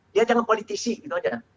dia jangan politisi gitu aja